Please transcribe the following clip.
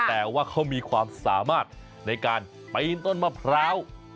แต่ว่าเขามีความสามารถในการปีนต้นมะพร้าว